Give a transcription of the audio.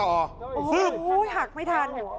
โอ้โหหักไม่ทัน